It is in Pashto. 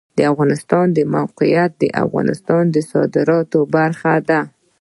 د افغانستان د موقعیت د افغانستان د صادراتو برخه ده.